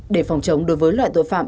để phòng chống đối với loại tội phạm